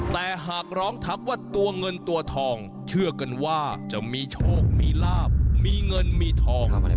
แต่หากร้องทักว่าตัวเงินตัวทองเชื่อกันว่าจะมีโชคมีลาบมีเงินมีทอง